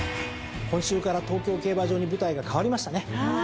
今週から東京競馬場に舞台が変わりましたね。